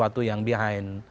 ada pak probo ada pak badlizon